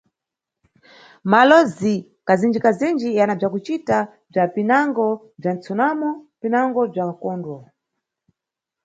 Malowozi kazinji-kazinji yana bzakucita bza, pinango bza msunamo pinango bza mkondwo.